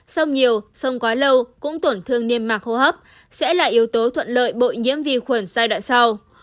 sông nhiều sông gói lâu cũng tổn thương niêm mạc hô hấp sẽ là yếu tố thuận lợi bội nhiễm vi khuẩn giai đoạn sau